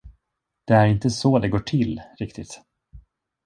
Det är inte så det går till, riktigt.